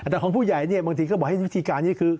แต่ตรงผู้ใหญ่บางทีก็บอกวิธีการนี่คือ